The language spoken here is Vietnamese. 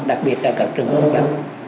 đặc biệt là cả trường hợp